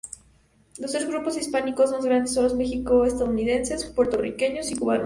Los tres grupos hispánicos más grandes son los mexicano-estadounidenses, Puertorriqueños y Cubanos.